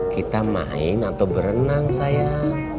kita main atau berenang saya